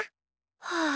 はあ。